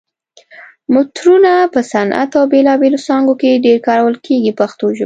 مترونه په صنعت او بېلابېلو څانګو کې ډېر کارول کېږي په پښتو کې.